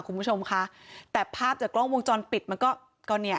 คุณผู้ชมค่ะแต่ภาพจากกล้องวงจรปิดมันก็ก็เนี่ย